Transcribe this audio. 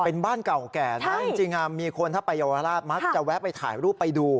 เป็นบ้านเก่าแก่นะจริงมีคนถ้าไปเยาวราชมักจะแวะไปถ่ายรูปไปดู